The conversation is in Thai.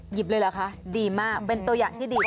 หยิบเลยเหรอคะดีมากเป็นตัวอย่างที่ดี